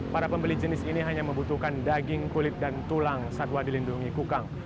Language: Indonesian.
para pembeli jenis ini hanya membutuhkan daging kulit dan tulang satwa dilindungi kukang